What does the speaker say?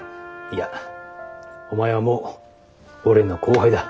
いやお前はもう俺の後輩だ。